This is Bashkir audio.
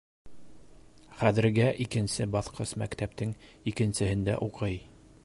Хәҙергә икенсе баҫҡыс мәктәптең икенсеһендә уҡый.